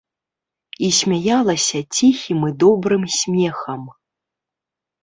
І смяялася ціхім і добрым смехам.